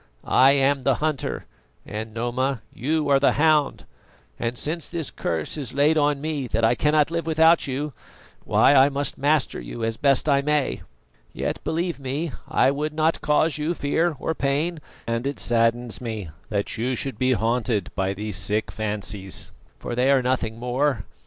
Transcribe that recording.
I am the hunter and, Noma, you are the hound; and since this curse is on me that I cannot live without you, why I must master you as best I may. Yet, believe me, I would not cause you fear or pain, and it saddens me that you should be haunted by these sick fancies, for they are nothing more.